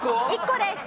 １個です。